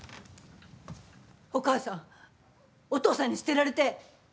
お母さんお父さんに捨てられて。